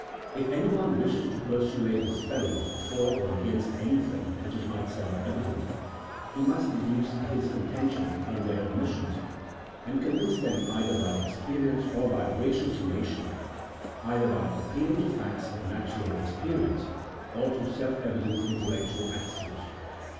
If anyone wishes to persuade his fellows for or against CHAP. V.] OF THE CEREMONIAL LAW. 77 anything which is not self evident, he must deduce his con tention from their admissions, and convince them either by experience or by ratiocination; either by appealing to facts of natural experience, or to self evident intellectual axioms.